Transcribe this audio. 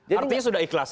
artinya sudah ikhlas